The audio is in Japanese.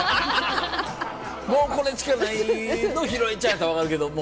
「もうこれしかない」の宏枝ちゃんやったら分かるけども。